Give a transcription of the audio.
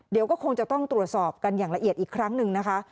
เดี๋ยวก็คงจะต้องตรวจสอบกันอย่างละเอียดอีกครั้งหนึ่งนะคะ